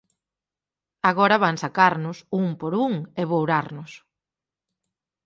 Agora van sacarnos, un por un, e bourarnos.